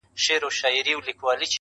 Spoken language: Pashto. دا عجیب منظرکسي ده، وېره نه لري امامه.